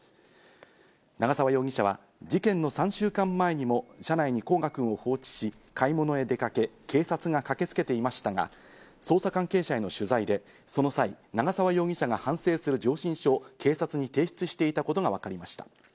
長沢容疑者は事件の３週間前にも車内に煌翔くんを放置し、買い物へ出かけ、警察が駆けつけていましたが、捜査関係者への取材でその際、長沢容疑者が反省する上申書を警察に提出していたことがわかりました。